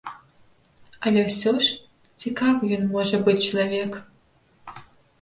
Але ўсё ж цікавы ён можа быць чалавек.